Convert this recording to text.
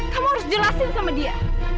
kamu harus jelasin sama dia